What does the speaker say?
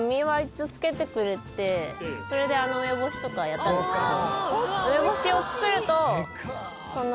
それであの梅干しとかやったんですけど。